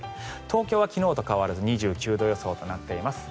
東京は昨日と変わらず２９度予想となっています。